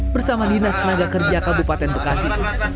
bersama dinas tenaga kerja kabupaten bekasi